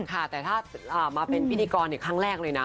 ค่ะแต่ถ้ามาเป็นพิธีกรครั้งแรกเลยนะ